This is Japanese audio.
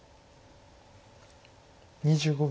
２５秒。